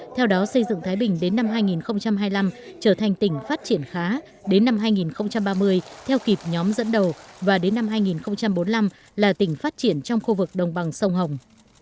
theo đó xây dựng thái bình đến năm hai nghìn hai mươi năm trở thành tỉnh phát triển khá đến năm hai nghìn ba mươi theo kịp nhóm dẫn đầu và đến năm hai nghìn bốn mươi năm là tỉnh phát triển trong khu vực đồng bằng sông hồng